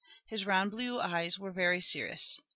His round blue eyes were very serious.